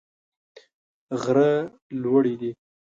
غره لوړي دي.